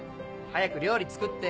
早く料理作って。